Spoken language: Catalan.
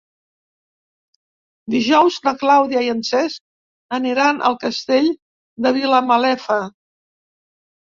Dijous na Clàudia i en Cesc aniran al Castell de Vilamalefa.